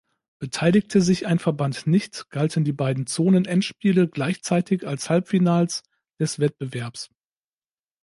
Beteiligte sich ein Verband nicht, galten die beiden Zonen-Endspiele gleichzeitig als Halbfinals des Wettbewerbs.